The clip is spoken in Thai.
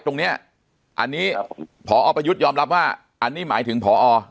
ตรงนี้อันนี้พอประยุทธ์ยอมรับว่าอันนี้หมายถึงพอ